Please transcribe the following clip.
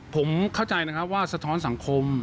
ผมเข้าใจนะครับว่าสะท้อนสังคม